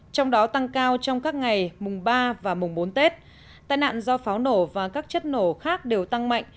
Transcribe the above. trong đó tăng cao trong các ngày mùng ba và mùng bốn tết tai nạn do pháo nổ và các chất nổ khác đều tăng mạnh